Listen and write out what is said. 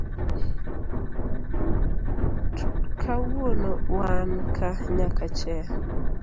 Tawuono wanka nyaka che.